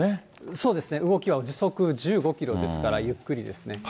そうですね、動きは時速１５キロですから、ゆっくりですね。